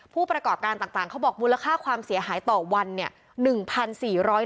ผู้ประกอบการต่างเขาบอกมูลค่าความเสียหายต่อวันเนี่ย